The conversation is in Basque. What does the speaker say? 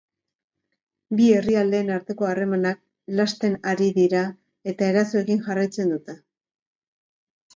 Bi herrialdeen arteko harremanak lazten ari dira eta erasoekin jarraitzen dute.